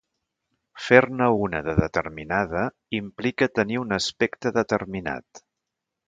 Fer-ne una de determinada implica tenir un aspecte determinat.